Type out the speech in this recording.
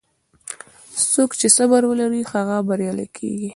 څوک چې صبر ولري، هغه بریالی کېږي.